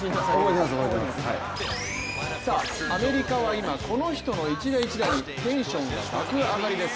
アメリカは今、この人の一打一打にテンションが爆上がりです。